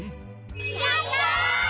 やった！